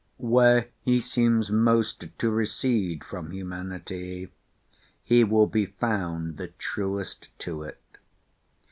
Where he seems most to recede from humanity, he will be found the truest to it.